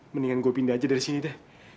mendingan gue pindah aja dari sini dah